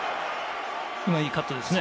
今のもいいカットですね。